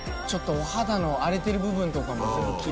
ちょっとお肌の荒れてる部分とかも全部。